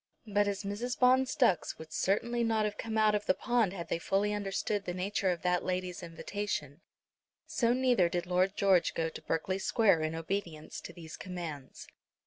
But as Mrs. Bond's ducks would certainly not have come out of the pond had they fully understood the nature of that lady's invitation, so neither did Lord George go to Berkeley Square in obedience to these commands.